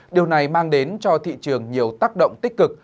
điều này mang đến cho thị trường nhiều tác động tích cực